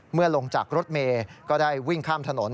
ลงจากรถเมย์ก็ได้วิ่งข้ามถนน